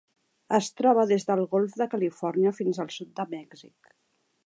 Es troba des del Golf de Califòrnia fins al sud de Mèxic.